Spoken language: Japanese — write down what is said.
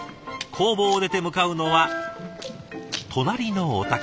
工房を出て向かうのは隣のお宅。